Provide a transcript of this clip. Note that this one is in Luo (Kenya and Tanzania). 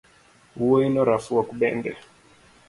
Wuoino rafuok bende